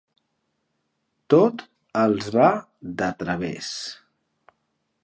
Tot els va de través.